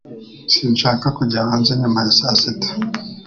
Sinshaka kujya hanze nyuma ya saa sita